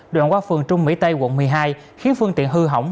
đoạn qua phường trung mỹ tây quận một mươi hai khiến phương tiện hư hỏng